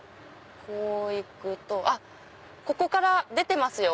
こう行くとあっここから出てますよ